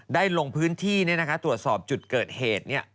ลงพื้นที่ตรวจสอบจุดเกิดเหตุ